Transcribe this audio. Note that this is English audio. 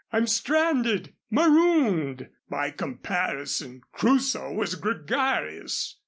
I'm stranded marooned. By comparison, Crusoe was gregarious."